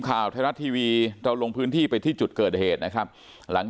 ข่าวไทยรัฐทีวีเราลงพื้นที่ไปที่จุดเกิดเหตุนะครับหลัง